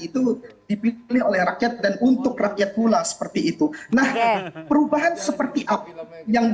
itu dipilih oleh rakyat dan untuk rakyat pula seperti itu nah perubahan seperti apa yang